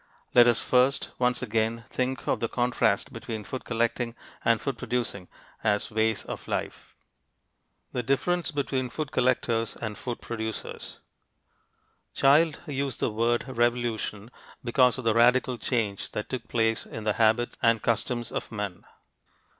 Let us first, once again, think of the contrast between food collecting and food producing as ways of life. THE DIFFERENCE BETWEEN FOOD COLLECTORS AND FOOD PRODUCERS Childe used the word "revolution" because of the radical change that took place in the habits and customs of man.